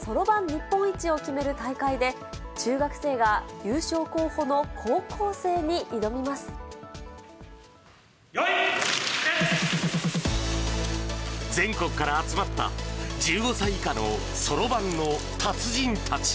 日本一を決める大会で、中学生が優勝候補のよーい、全国から集まった１５歳以下のそろばんの達人たち。